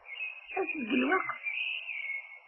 As-d deg lweqt.